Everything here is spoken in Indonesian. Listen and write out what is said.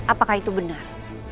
apakah itu benar